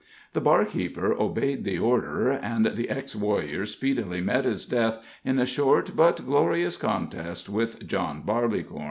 The barkeeper obeyed the order, and the ex warrior speedily met his death in a short but glorious contest with John Barleycorn.